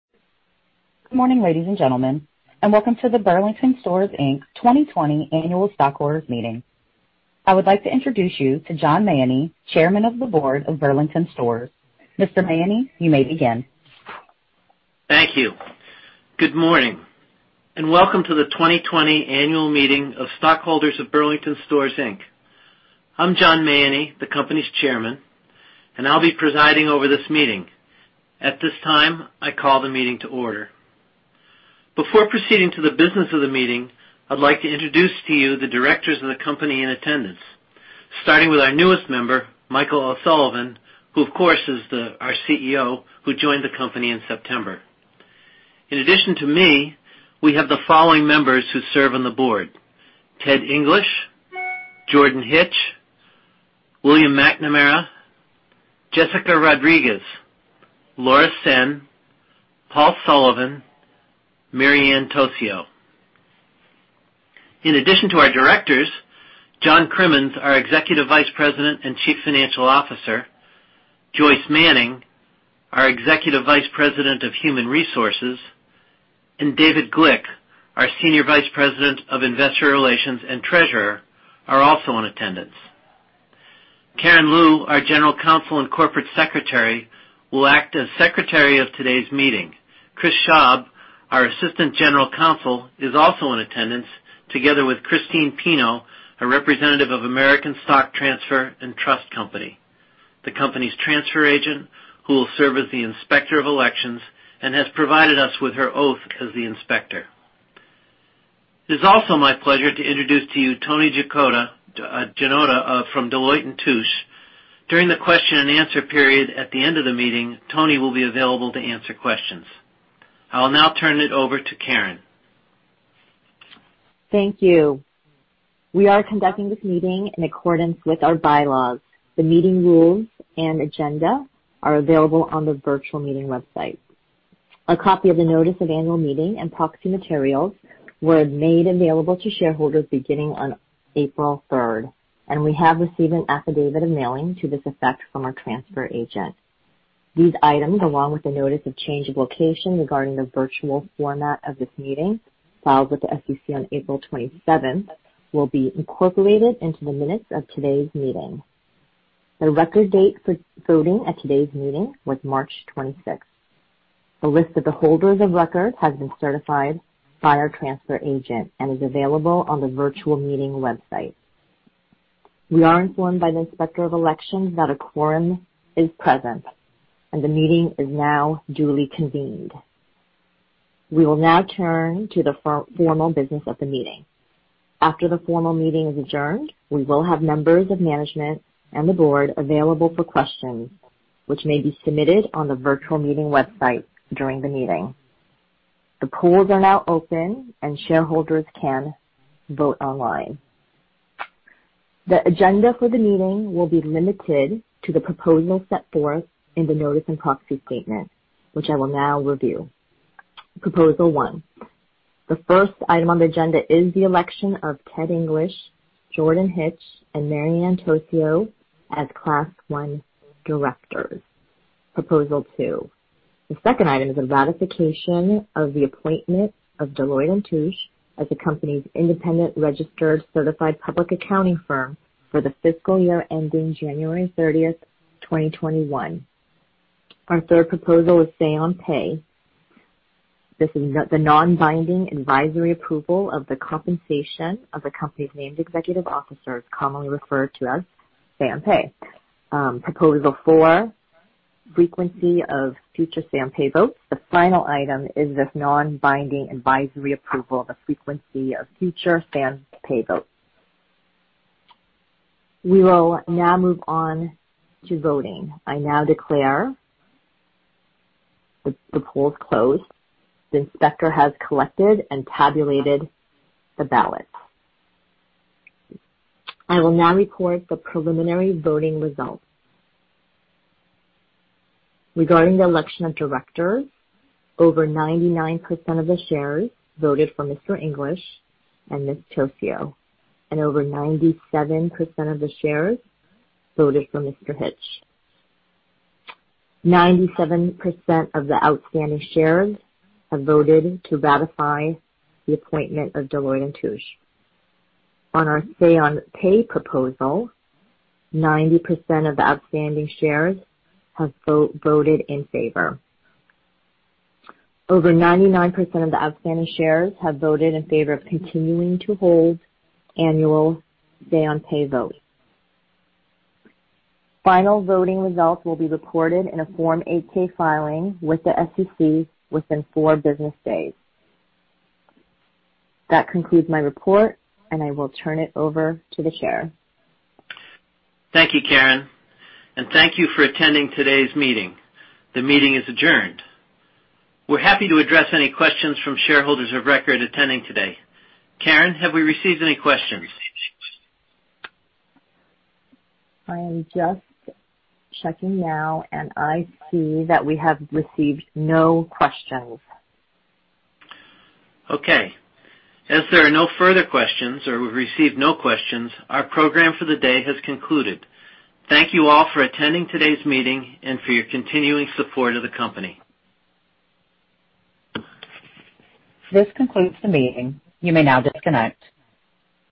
Good morning, ladies and gentlemen, and welcome to the Burlington Stores, Inc. 2020 Annual Stockholders Meeting. I would like to introduce you to John J. Mahoney, Chairman of the Board of Burlington Stores. Mr. Mahoney, you may begin. Thank you. Good morning, and welcome to the 2020 Annual Meeting of Stockholders of Burlington Stores, Inc. I'm John J. Mahoney, the Company's Chairman, and I'll be presiding over this meeting. At this time, I call the meeting to order. Before proceeding to the business of the meeting, I'd like to introduce to you the directors of the company in attendance, starting with our newest member, Michael O'Sullivan, who, of course, is our CEO, who joined the company in September. In addition to me, we have the following members who serve on the board: Ted English, Jordan Hitch, William McNamara, Jessica Rodriguez, Laura Sen, Paul Sullivan, and Mary Ann Tocio. In addition to our directors, John Crimmins, our Executive Vice President and Chief Financial Officer; Joyce Manning, our Executive Vice President of Human Resources; and David Glick, our Senior Vice President of Investor Relations and Treasurer, are also in attendance. Karen Leu, our General Counsel and Corporate Secretary, will act as Secretary of today's meeting. Chris Schaub, our Assistant General Counsel, is also in attendance, together with Christine Pino, a representative of American Stock Transfer & Trust Company, the Company's transfer agent who will serve as the Inspector of Elections and has provided us with her oath as the Inspector. It is also my pleasure to introduce to you Tony Giannotta from Deloitte & Touche. During the question and answer period at the end of the meeting, Tony will be available to answer questions. I will now turn it over to Karen. Thank you. We are conducting this meeting in accordance with our bylaws. The meeting rules and agenda are available on the virtual meeting website. A copy of the Notice of Annual Meeting and proxy materials were made available to shareholders beginning on April 3rd, and we have received an affidavit of mailing to this effect from our transfer agent. These items, along with the Notice of Change of Location regarding the virtual format of this meeting, filed with the SEC on April 27th, will be incorporated into the minutes of today's meeting. The Record Date for voting at today's meeting was March 26th. The list of the holders of record has been certified by our transfer agent and is available on the virtual meeting website. We are informed by the Inspector of Elections that a Quorum is present, and the meeting is now duly convened. We will now turn to the formal business of the meeting. After the formal meeting is adjourned, we will have members of management and the board available for questions, which may be submitted on the virtual meeting website during the meeting. The polls are now open, and shareholders can vote online. The agenda for the meeting will be limited to the proposals set forth in the Notice and Proxy Statement, which I will now review. Proposal 1: The first item on the agenda is the election of Ted English, Jordan Hitch, and Mary Ann Tocio as Class 1 Directors. Proposal 2: The second item is a ratification of the appointment of Deloitte & Touche as the Company's independent registered certified public accounting firm for the fiscal year ending January 30th, 2021. Our third proposal is Say-on-Pay. This is the non-binding advisory approval of the compensation of the Company's named executive officers, commonly referred to as Say-on-Pay. Proposal 4: Frequency of future Say-on-Pay votes. The final item is this non-binding advisory approval of the frequency of future Say-on-Pay votes. We will now move on to voting. I now declare the polls closed. The Inspector has collected and tabulated the ballots. I will now report the preliminary voting results. Regarding the election of directors, over 99% of the shares voted for Mr. English and Ms. Tocio, and over 97% of the shares voted for Mr. Hitch. 97% of the outstanding shares have voted to ratify the appointment of Deloitte & Touche. On our Say-on-Pay proposal, 90% of the outstanding shares have voted in favor. Over 99% of the outstanding shares have voted in favor of continuing to hold annual Say-on-Pay votes. Final voting results will be reported in a Form 8-K filing with the SEC within four business days. That concludes my report, and I will turn it over to the Chair. Thank you, Karen, and thank you for attending today's meeting. The meeting is adjourned. We're happy to address any questions from shareholders of record attending today. Karen, have we received any questions? I am just checking now, and I see that we have received no questions. Okay. As there are no further questions or we've received no questions, our program for the day has concluded. Thank you all for attending today's meeting and for your continuing support of the company. This concludes the meeting. You may now disconnect.